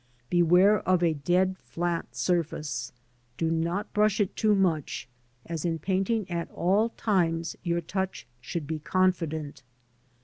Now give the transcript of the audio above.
Beware of a dead flat surface ; do not brush it too much, as in painting at all times your touch should be confident.